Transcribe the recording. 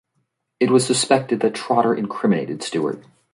It was suspected that Trotter incriminated Stewart.